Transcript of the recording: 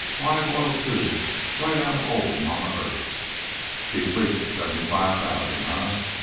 "Live oil, too; right out of old Mamma Earth. Cheap lease at seventy five thousand, eh?